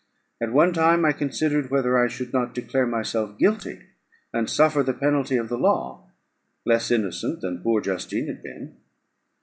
At one time I considered whether I should not declare myself guilty, and suffer the penalty of the law, less innocent than poor Justine had been.